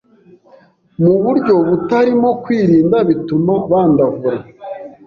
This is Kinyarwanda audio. mu buryo butarimo kwirinda bituma bandavura